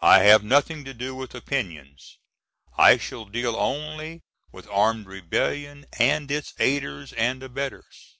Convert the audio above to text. I have nothing to do with opinions. I shall deal only with armed rebellion and its aiders and abettors.